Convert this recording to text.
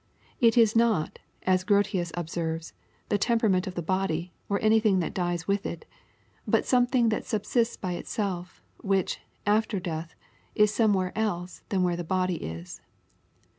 It is not, ae Grotius observes, the temperament of the body, or anything that dies with it ; but something that subsists by itself, which, ailei death, is somewhere else than where the body is.